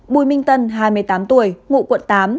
bùi minh tân hai mươi tám tuổi ngụ quận tám